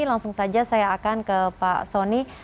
langsung saja saya akan ke pak soni